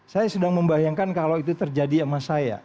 saya sedang membayangkan kalau itu terjadi sama saya